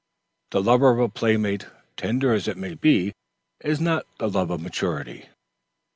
The love of a play mate, tender as it may be, is not the love of maturity.